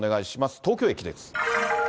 東京駅です。